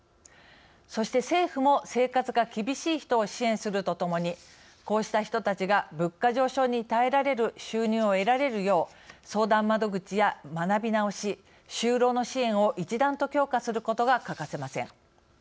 そして、政府も生活が厳しい人を支援するとともにこうした人たちが、物価上昇に耐えられる収入を得られるよう相談窓口や学び直し就労の支援を一段と強化することが欠かせません。